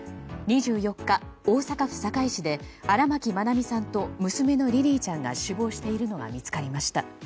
２４日、大阪府堺市で荒牧愛美さんと娘のリリィちゃんが死亡しているのが見つかりました。